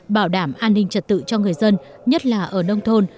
bảo đảm an ninh trật tự cho người dân nhất là ở nông thôn